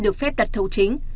được phép đặt thầu chính